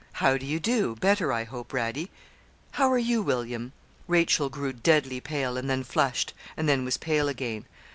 'How do you do? better, I hope, Radie? How are you, William?' Rachel grew deadly pale, and then flushed, and then was pale again.